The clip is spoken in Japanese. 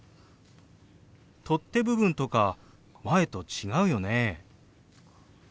取っ手部分とか前と違うよね？